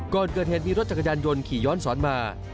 ก่อนเกิดเหตุมีรถจักรยานยนต์ขี่ย้อนสอนมา